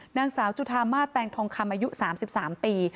นางสาวจุธามาสแตงทองคำอายุ๓๓ปี